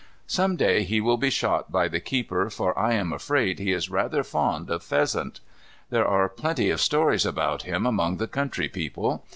Some day he will be shot by the keeper for I am afraid he is rather fond of pheasant. There are plenty of stories about him among the country people.